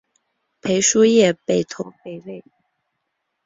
裴叔业北投北魏。